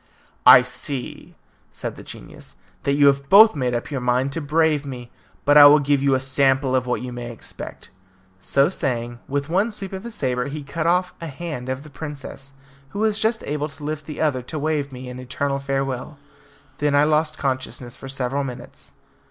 "I see," said the genius, "that you have both made up your minds to brave me, but I will give you a sample of what you may expect." So saying, with one sweep of his sabre he cut off a hand of the princess, who was just able to lift the other to wave me an eternal farewell. Then I lost consciousness for several minutes.